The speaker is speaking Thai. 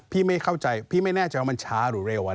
พี่ไม่เข้าใจพี่ไม่แน่ใจว่ามันช้าหรือเร็ว